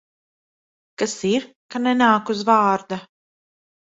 Kas ir, ka nenāk uz vārda?